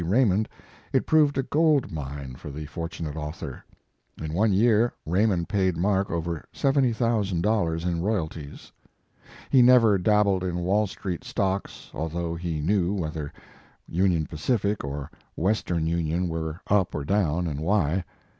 Raymond, it proved a gold mine Mark Twain for the fortunate author. In one year Raymond paid Mark over $70,000 in royalties. He never dabbled in Wall street stocks, although he knew whether Union Pacific or Western Union, were up or down and why.